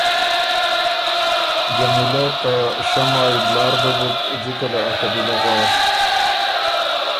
که جمیلۀ ته شۀ مای بلاربه بُک، جِکه له ا قبیلۀ غواشک۔